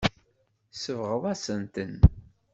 Tsebɣeḍ-asent-ten.